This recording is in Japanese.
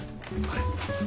はい。